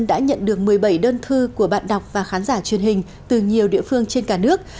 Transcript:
đã nhận được một mươi bảy đơn thư của bạn đọc và khán giả truyền hình từ nhiều địa phương trên cả nước